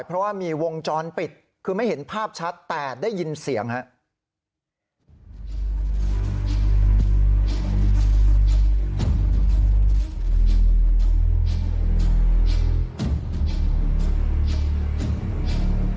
เพราะว่ามีวงจรปิดคือไม่เห็นภาพชัดแต่ได้ยินเสียงครับ